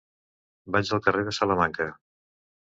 Vaig al carrer de Salamanca.